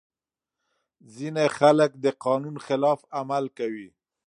ځينې خلګ د قانون خلاف عمل کوي.